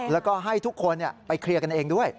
แล้วก็ให้ทุกคนไปเคลียร์กันเองด้วย